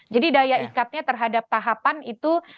jadi daya ikatnya terhadap tahapan itu